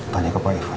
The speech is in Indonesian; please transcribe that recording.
tanya ke pak irfan